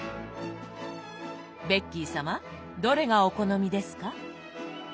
ベッキー様どれがお好みですか？